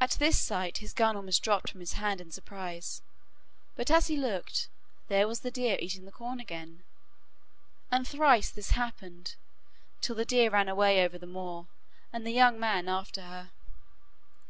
At this sight his gun almost dropped from his hand in surprise, but as he looked, there was the deer eating the corn again. And thrice this happened, till the deer ran away over the moor, and the young man after her.